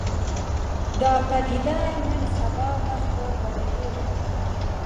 دا پدیده نن سبا مخ په خورېدو ده